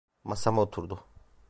Masama oturdu.